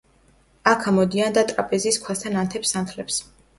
აქ ამოდიან და ტრაპეზის ქვასთან ანთებს სანთლებს.